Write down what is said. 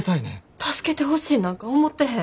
助けてほしいなんか思ってへん。